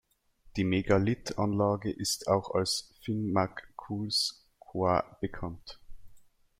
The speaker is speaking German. Die Megalithanlage ist auch als Finn mac Cools Quoit bekannt.